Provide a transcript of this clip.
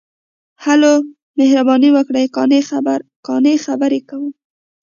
ـ هلو، مهرباني وکړئ، قانع خبرې کوم.